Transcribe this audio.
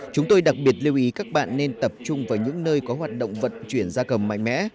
chúng tôi đặc biệt lưu ý các bạn nên tập trung vào những nơi có hoạt động vận chuyển gia cầm mạnh mẽ